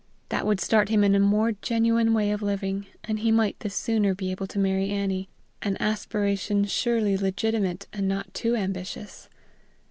That would start him in a more genuine way of living, and he might the sooner be able to marry Annie an aspiration surely legitimate and not too ambitious.